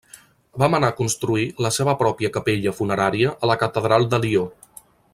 Va manar construir la seva pròpia capella funerària a la catedral de Lió.